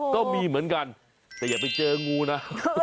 ก็มีเหมือนกันแต่อย่าไปเจองูนะ